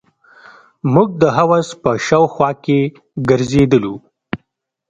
موږ د حوض په شاوخوا کښې ګرځېدلو.